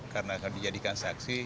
karena akan dijadikan saksi